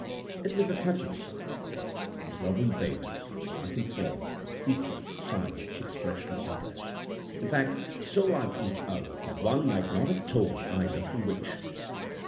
It was a touching sight, these lovely babes, alike in form, feature, size, expression, and dress; in fact, so like each other that one 'might not have told either from which'.